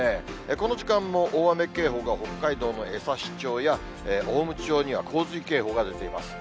この時間も大雨警報が、北海道の枝幸町や雄武町には洪水警報が出ています。